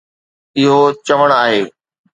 اهو چوڻ آهي.